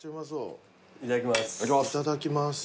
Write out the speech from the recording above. いただきます。